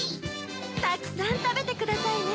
たくさんたべてくださいね。